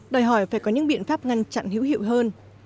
đòi hỏi phải có những biện pháp ngăn chặn hữu hiệu hơn